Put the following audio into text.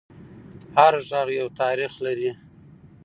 هر غږ یو تاریخ لري